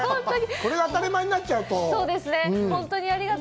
それが当たり前になっちゃうと。